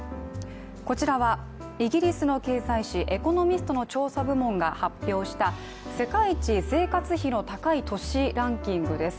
こちらはイギリスの経済誌「エコノミスト」の調査部門が発表した世界一生活費の高い都市ランキングです。